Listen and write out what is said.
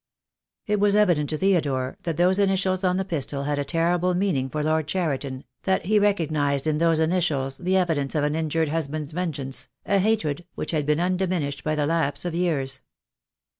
It was evident to Theodore that those initials on the pistol had a terrible meaning for Lord Cheriton, that he recognized in those initials the evidence of an injured husband's vengeance, a hatred which had been un diminished by the lapse of years.